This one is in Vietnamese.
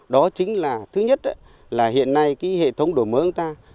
đó chính là thứ nhất là hiện nay hệ thống đổi mới của chúng ta